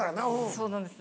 そうなんです。